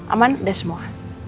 aman udah semua